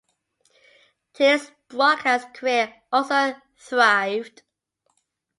Taylor's broadcast career also thrived.